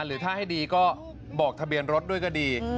หรือถ้าให้ดีก็บอกทะเบียนรถด้วยก็ดี